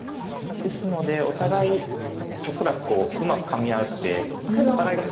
ですのでお互い恐らくうまくかみ合ってお互いが。